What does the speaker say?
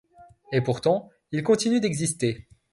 Et pourtant, il continue d’exister.